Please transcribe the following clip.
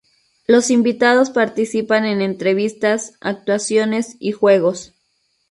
Los invitados participan en entrevistas, actuaciones y juegos.